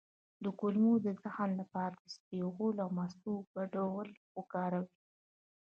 د کولمو د زخم لپاره د اسپغول او مستو ګډول وکاروئ